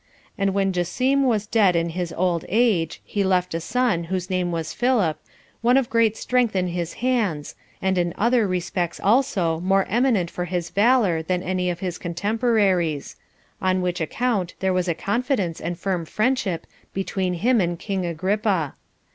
And when Jacim was dead in his old age, he left a son, whose name was Philip, one of great strength in his hands, and in other respects also more eminent for his valor than any of his contemporaries; on which account there was a confidence and firm friendship between him and king Agrippa.